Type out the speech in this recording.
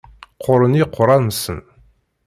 Qquren yiqerra-nsen.